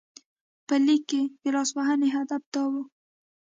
په لیک کې د لاسوهنې هدف دا و.